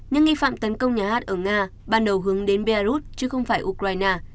những nghi phạm tấn công nhà hát ở nga ban đầu hướng đến belarus chứ không phải ukraine